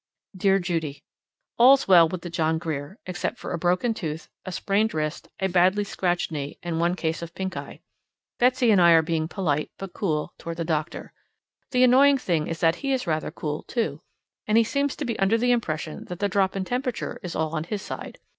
Dear Judy: All's well with the John Grier except for a broken tooth, a sprained wrist, a badly scratched knee, and one case of pinkeye. Betsy and I are being polite, but cool, toward the doctor. The annoying thing is that he is rather cool, too. And he seems to be under the impression that the drop in temperature is all on his side.